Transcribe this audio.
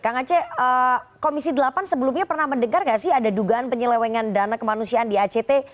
kang aceh komisi delapan sebelumnya pernah mendengar nggak sih ada dugaan penyelewengan dana kemanusiaan di act